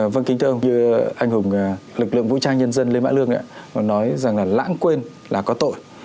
vâng kính thưa ông như anh hùng lực lượng vũ trang nhân dân lê mã lương còn nói rằng là lãng quên là có tội